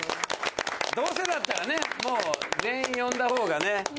どうせだったらねもう全員呼んだほうがね。